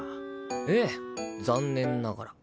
ええ残念ながら。